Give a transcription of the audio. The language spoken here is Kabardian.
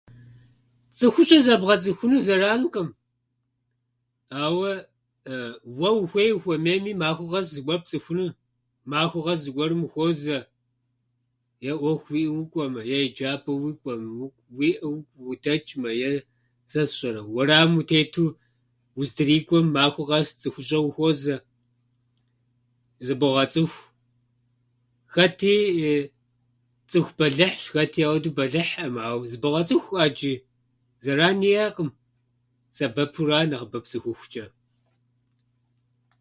Цӏыхущӏэ зэбгъэцӏыхуну зэранкъым, ауэ уэ ухуей ухуэмейми, махуэ къэс зыгуэр пцӏыхуну, махуэ къэс зыгуэрым ухуозэ е ӏуэху уиӏэу укӏуэмэ, е еджапӏэм укӏуэмэ, [unintelligible] удэчӏмэ, е, сэ сщӏэрэ, уэрамым утету уздрикӏуэм, махуэ къэс цӏыхущӏэ ухуозэ, зыбогъэцӏыху. Хэти цӏыху бэлыхьщ, хэти ауэдэу бэлыхьӏым, ауэ зыбогъэцӏыху ӏэджи. Зэран иӏэкъым, сэбэпура нэхъыбэ пцӏыхухучӏэ.